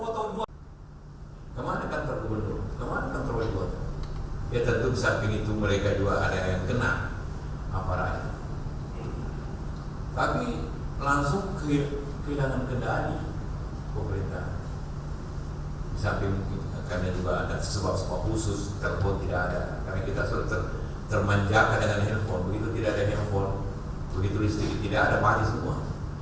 termanjakan dengan handphone begitu tidak ada handphone begitu listrik tidak ada mati semua